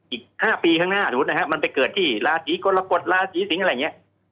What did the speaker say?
อีก๕ปีข้างหน้าสมมุตินะครับมันไปเกิดที่ราศีกรกฎราศีสิงศ์อะไรอย่างนี้